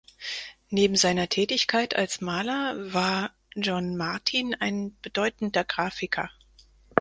Neben seiner Tätigkeit als Maler war John Martin ein bedeutender Grafiker.